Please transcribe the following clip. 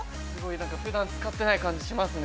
◆ふだん使ってない感じがしますね。